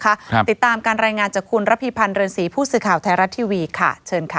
ติดตามการรายงานจากคุณระพีพันธ์เรือนศรีผู้สื่อข่าวไทยรัฐทีวีค่ะเชิญค่ะ